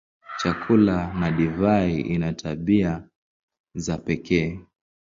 Chakula na divai ina tabia za pekee.